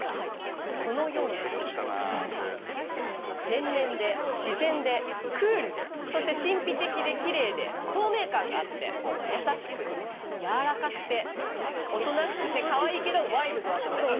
洗練で自然でクールでそして神秘的できれいで透明感があって優しく柔らかくておとなしくてかわいいけどワイルドだそうです。